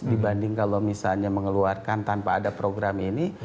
dibanding kalau misalnya mengeluarkan tanpa ada program ini